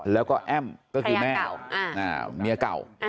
แล้วก็แอ้มก็คือแม่เมียเก่า